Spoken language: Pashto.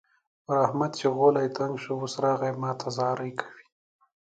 پر احمد چې غولی تنګ شو؛ اوس راغی ما ته زارۍ کوي.